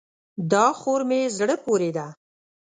دا خور مې زړه پورې ده.